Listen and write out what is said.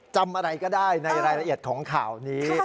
จำอะไรก็ได้ในรายละเอียดของข่าวนี้